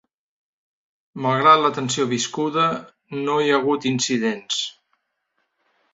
Malgrat la tensió viscuda, no hi ha hagut incidents.